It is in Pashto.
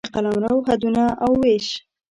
د قلمرو حدونه او وېش